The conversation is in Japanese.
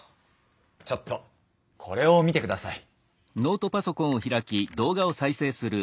ちょっとこれを見てください。